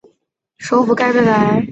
首府盖贝莱。